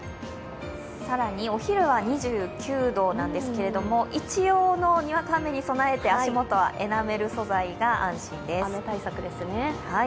お昼は２９度なんですけれども一応のにわか雨に備えて、足元はエナメル素材が安心です。